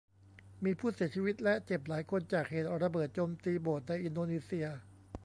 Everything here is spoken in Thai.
มีผู้เสียชีวิตและเจ็บหลายคนจากเหตุระเบิดโจมตีโบสถ์ในอินโดนีเซีย